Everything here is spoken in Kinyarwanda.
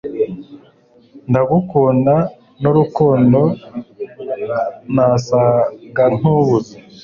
ndagukunda nurukundo nasaga nkubuze